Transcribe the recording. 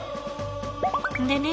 でね